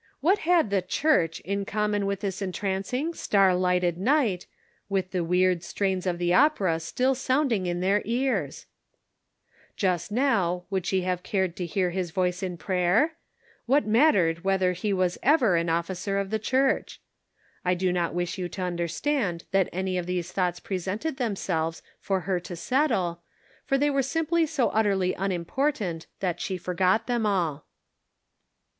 What had the Church in common with this en trancing star lighted night, with the wierd strains of the opera still sounding in their ears ? Just now, would she have cared to hear his 276 The Pocket Measure. voice in prayer ? What mattered it whether he was ever an officer in the Church? I do not wish you to understand that any of these thoughts presented themselves for her to settle ; they were simply so utterly unimportant that she forgot them all.